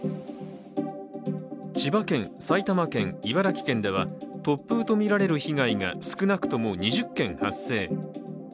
千葉県、埼玉県、茨城県では突風とみられる被害が少なくとも２０件発生。